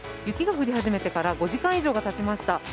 雪が降り始めてから５時間以上がたちました。